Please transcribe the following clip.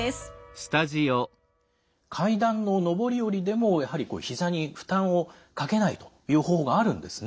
階段の上り下りでもやはりひざに負担をかけないという方法があるんですね。